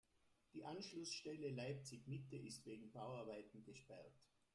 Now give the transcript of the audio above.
Die Anschlussstelle Leipzig-Mitte ist wegen Bauarbeiten gesperrt.